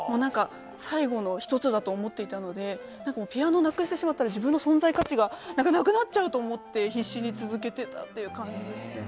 最後の１つだと思っていたのでピアノなくしてしまったら自分の存在価値がなくなっちゃうと思って必死に続けてたという感じです。